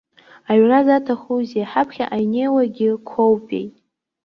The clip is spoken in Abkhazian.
Аҩра заҭахузеи, ҳаԥхьаҟа инеиуагьы қәоупеи.